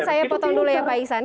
faisal saya potong dulu ya faisal